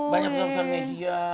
banyak besar besar media